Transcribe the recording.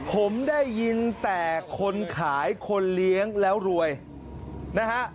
ผมได้ยินแต่คนขายคนเลี้ยงแล้วรวยนะฮะ